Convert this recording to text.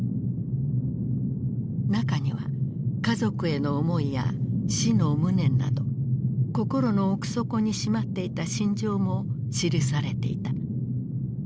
中には家族への思いや死の無念など心の奥底にしまっていた心情も記されていた。